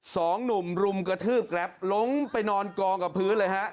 สองหนุ่มรุมกระทืบแกรปลงไปนอนกองกับพื้นเลยฮะ